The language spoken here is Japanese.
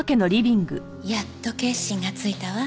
やっと決心がついたわ。